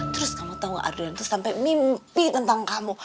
terus kamu tau gak adriana tuh sampai mimpi tentang kamu